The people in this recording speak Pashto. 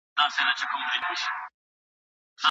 دا ټوټې وي تر زرګونو رسېدلي